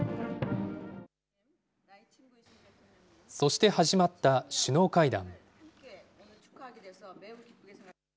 そして始まった首脳会談。